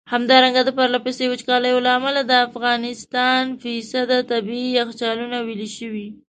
همدارنګه د پرله پسي وچکالیو له امله د افغانستان ٪ طبیعي یخچالونه ویلي شوي.